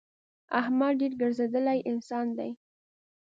احمد ډېر ګرځېدلی انسان دی.